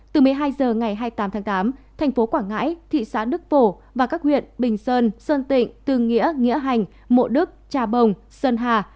từ một mươi hai h ngày hai mươi tám tháng tám thành phố quảng ngãi thị xã đức phổ và các huyện bình sơn sơn tịnh tư nghĩa nghĩa hành mộ đức trà bồng sơn hà